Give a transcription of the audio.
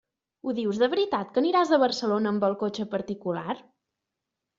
Ho dius de veritat que aniràs a Barcelona amb el cotxe particular?